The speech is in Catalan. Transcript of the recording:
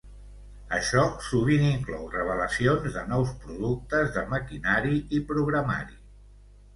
Això sovint inclou revelacions de nous productes de maquinari i programari.